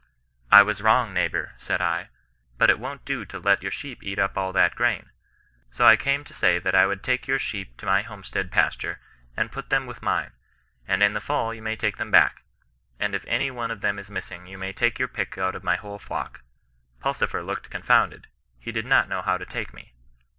" I was wrong, neighbour, said I, but it won't do to let your sheep eat up all that grain ; so I came over to say that I would take your sheep to my homestead pas ture, and put them with mine; and in the fall you may take them back; and if any one of them is missing you may take your pick out of ray whole flock. Pulsifer looked confounded ; he did not know how to take me.